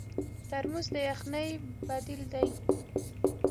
ترموز د یخنۍ بدیل دی.